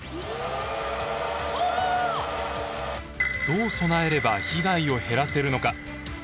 どう備えれば被害を減らせるのか？